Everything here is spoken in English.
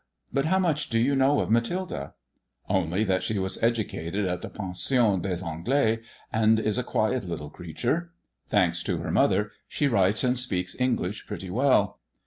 But how much do you know of Mathilde ?"" Only that she was educated at the Pension des AnglaU, and is a quiet little creature. Thanks to her mother, she writes and speaks English pretty well.